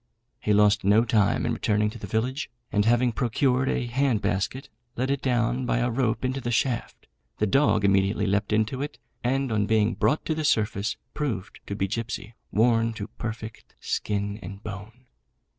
He lost no time in returning to the village, and having procured a hand basket, let it down by a rope into the shaft; the dog immediately leapt into it, and on being brought to the surface, proved to be Gipsy, worn to perfect skin and bone.